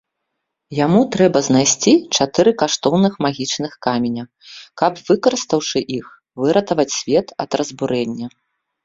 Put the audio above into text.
Яму трэба знайсці чатыры каштоўных магічных каменя, каб, выкарыстаўшы іх, выратаваць свет ад разбурэння.